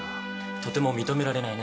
とても認められないな。